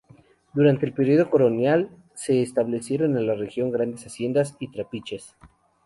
Durante el período colonial, se establecieron en la región grandes haciendas y trapiches.